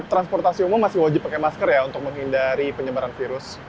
transportasi umum masih wajib pakai masker ya untuk menghindari penyebaran virus